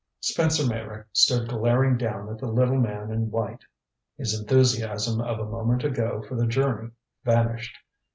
Spencer Meyrick stood glaring down at the little man in white. His enthusiasm of a moment ago for the journey vanished.